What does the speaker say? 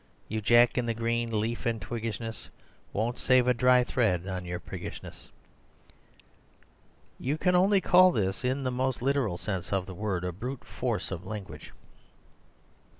You, Jack in the Green, leaf and twiggishness Won't save a dry thread on your priggishness!" You can only call this, in the most literal sense of the word, the brute force of language.